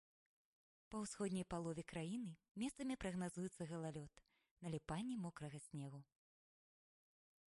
Па ўсходняй палове краіны месцамі прагназуецца галалёд, наліпанне мокрага снегу.